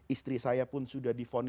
istri saya pun sudah difonis